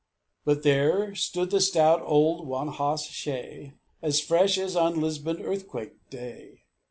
But there stood the stout old one hoss shay As fresh as on Lisbon earthquake day!